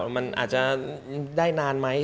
มันอาจจะได้นานมั้ย